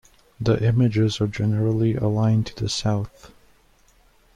The images are generally aligned to the south.